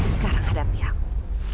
sekarang hadapi aku